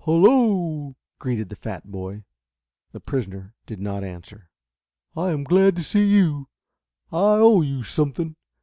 "Hello!" greeted the fat boy. The prisoner did not answer. "I am glad to see you. I owe you something.